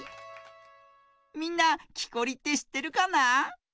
みんなきこりってしってるかな？